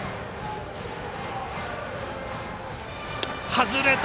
外れた！